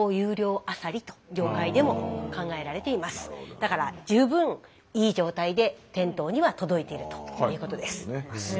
だから十分いい状態で店頭には届いているということです。